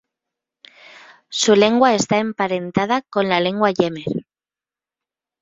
Su lengua está emparentada con la lengua jemer.